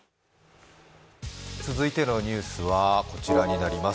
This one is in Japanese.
続いてのニュースはこちらになります。